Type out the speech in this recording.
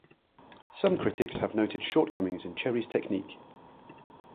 Some critics have noted shortcomings in Cherry's technique.